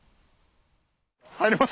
入れます？